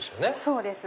そうです。